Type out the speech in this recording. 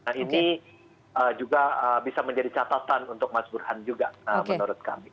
nah ini juga bisa menjadi catatan untuk mas burhan juga menurut kami